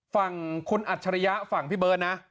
ฝั่งคุณอัจฉริยะฝั่งพี่เบิร์ตนะ